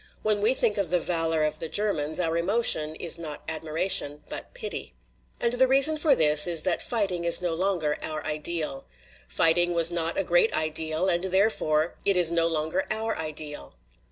When we think of the valor of the Ger mans, our emotion is not admiration but pity. 4 WAR STOPS LITERATURE "And the reason for this is that fighting is no longer our ideal. Fighting was not a great ideal, and therefore it is no longer our ideal.